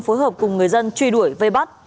phối hợp cùng người dân truy đuổi vây bắt